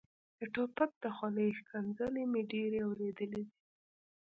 د ټوپک د خولې ښکنځلې مې ډېرې اورېدلې دي.